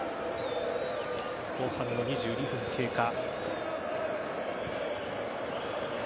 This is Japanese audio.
後半の２２分経過。